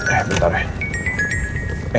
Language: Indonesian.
eh bentar deh